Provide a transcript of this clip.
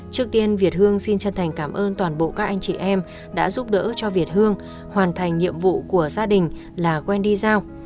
trước tiên việt hương xin chân thành cảm ơn toàn bộ các anh chị em đã giúp đỡ cho việt hương hoàn thành nhiệm vụ của gia đình là quen đi giao